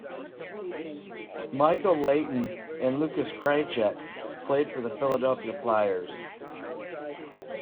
Michael Leighton and Lukas Krajicek played for the Philadelphia Flyers.